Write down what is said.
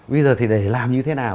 bây giờ thì để làm như thế nào